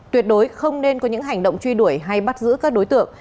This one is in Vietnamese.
tuyệt đối không nên có những hành động truy đuổi hay bắt giữ các đối tượng